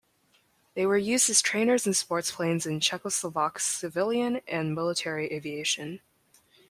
They were used as trainers and sports planes in Czechoslovak civilian and military aviation.